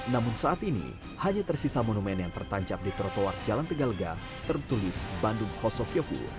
namun saat ini hanya tersisa monumen yang tertancap di trotoar jalan tegalega tertulis bandung hosokyohu